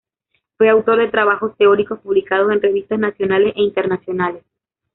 Fue autor de trabajos teóricos publicados en revistas nacionales e internacionales.